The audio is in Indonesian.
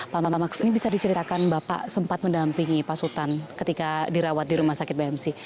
pak mamaks ini bisa diceritakan bapak sempat mendampingi pak sultan ketika dirawat di rumah sakit bmc